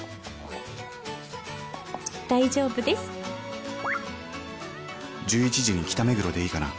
「大丈夫です」「１１時に北目黒でいいかな？」